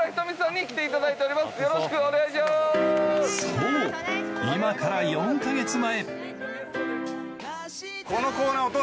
そう、今から４カ月前。